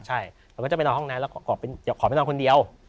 ใช่ผมก็จะไปนอนห้องนั้นแล้วขอไปนอนคนเดียว